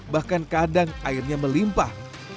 bahkan kadang airnya melimpah